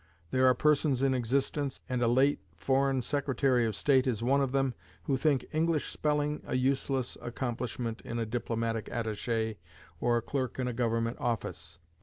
There are persons in existence, and a late Foreign Secretary of State is one of them, who think English spelling a useless accomplishment in a diplomatic attaché or a clerk in a government office.